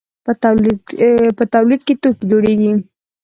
په تولید کې توکي جوړیږي.